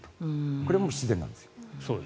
これも必然なんですよ。